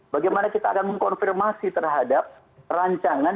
bagaimana kita akan mengkonfirmasi terhadap rancangan